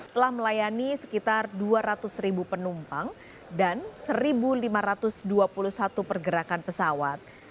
telah melayani sekitar dua ratus ribu penumpang dan satu lima ratus dua puluh satu pergerakan pesawat